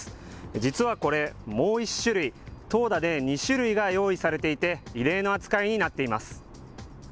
実はこれ、もう一種類、投打で２種類が用意されていて、異例の扱いになっています。